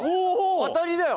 当たりだよ！